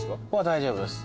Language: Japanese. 大丈夫です。